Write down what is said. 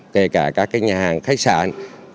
kể cả các nhà hàng khách sạn